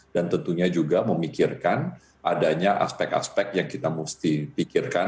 dan tentunya juga memikirkan adanya aspek aspek yang kita mesti pikirkan